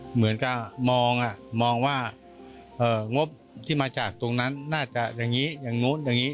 เหมือนกับมองมองว่างบที่มาจากตรงนั้นน่าจะอย่างนี้อย่างนู้นอย่างนี้